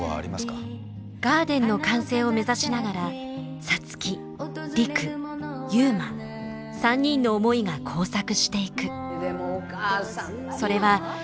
ガーデンの完成を目指しながら皐月陸悠磨３人の思いが交錯していく。